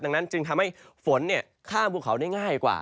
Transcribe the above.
ดังนั้นจึงทำให้ฝนข้ามภูเขาได้ง่ายกว่า